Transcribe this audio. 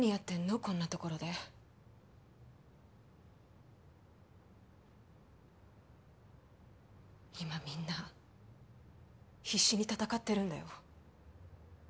こんな所で今みんな必死に戦ってるんだよ